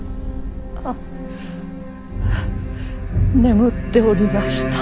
あ眠っておりました。